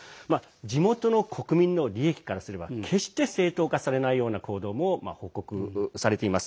地元の国民の利益からすれば決して正当化されないような行動も報告されています。